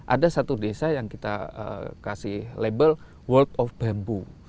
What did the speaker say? ada satu desa yang kita kasih label world of bambu